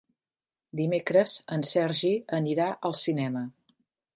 Dimecres en Sergi anirà al cinema.